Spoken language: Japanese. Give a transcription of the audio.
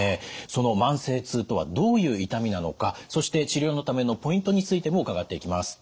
その慢性痛とはどういう痛みなのかそして治療のためのポイントについても伺っていきます。